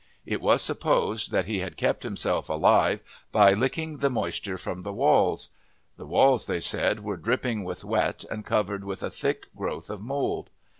It was supposed that he had kept himself alive by "licking the moisture from the walls." The walls, they said, were dripping with wet and covered with a thick growth of mould.